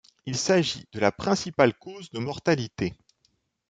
Il s'agit de la principale cause de mortalité.